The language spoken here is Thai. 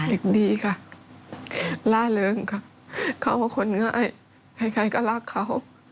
เด็กดีค่ะล่าเริงค่ะเขาเป็นคนง่ายใครก็รักเขา